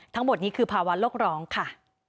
ทั้งหมดนี้คือภาวะโลกร้องค่ะ